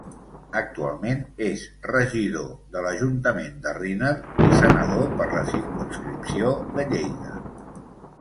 Actualment és regidor de l'ajuntament de Riner i senador per la circumscripció de Lleida.